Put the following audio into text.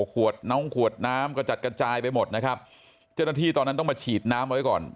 ขวดน้องขวดน้ำกระจัดกระจายไปหมดนะครับเจ้าหน้าที่ตอนนั้นต้องมาฉีดน้ำไว้ก่อน